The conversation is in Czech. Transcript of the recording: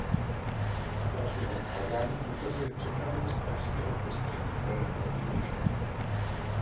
Ohlas jeho kázání ukazuje připravenost pražského prostředí pro reformní myšlenky.